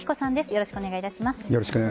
よろしくお願いします。